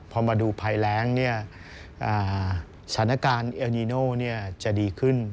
พอมาดูภัยแรงสถานการณ์เอลนิโน่จะดีขึ้น